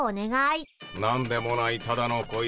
「何でもないただの小石」